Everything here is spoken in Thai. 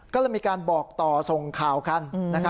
ก็เลยมีการบอกต่อส่งข่าวกัน